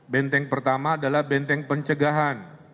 benteng pertama adalah benteng pencegahan